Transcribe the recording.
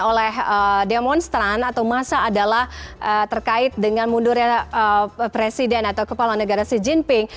oleh demonstran atau masa adalah terkait dengan mundurnya presiden atau kepala negara xi jinping